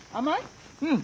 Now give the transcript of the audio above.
うん。